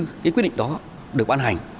nếu như cái quyết định đó được ban hành